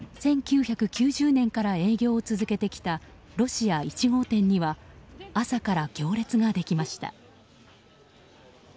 １９９０年から営業を続けてきたロシア１号店には朝から行列ができました。